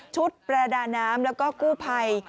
ชุดประดาน้ำแล้วก็กู้ไผ่